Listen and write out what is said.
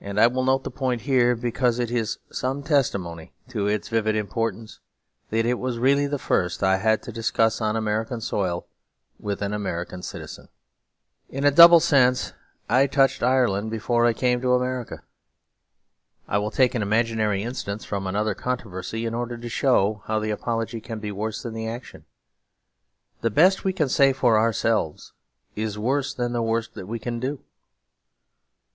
And I will note the point here, because it is some testimony to its vivid importance that it was really the first I had to discuss on American soil with an American citizen. In a double sense I touched Ireland before I came to America. I will take an imaginary instance from another controversy; in order to show how the apology can be worse than the action. The best we can say for ourselves is worse than the worst that we can do.